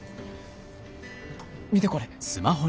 見てこれ。